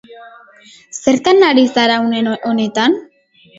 Zertan ari zara une honetan?